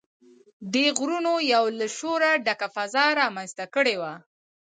دې غږونو يوه له شوره ډکه فضا رامنځته کړې وه.